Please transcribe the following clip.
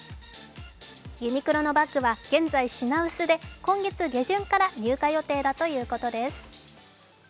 ユニクロのバッグは現在、品薄で今月下旬から入荷予定だということです。